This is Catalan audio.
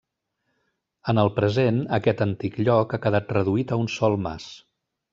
En el present, aquest antic lloc ha quedat reduït a un sol mas.